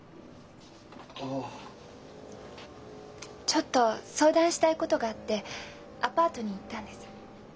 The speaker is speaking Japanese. ちょっと相談したいことがあってアパートに行ったんです。